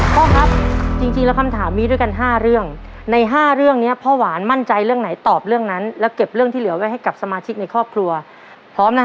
พ่อครับจริงแล้วคำถามมีด้วยกัน๕เรื่องใน๕เรื่องนี้พ่อหวานมั่นใจเรื่องไหนตอบเรื่องนั้นแล้วเก็บเรื่องที่เหลือไว้ให้กับสมาชิกในครอบครัวพร้อมนะ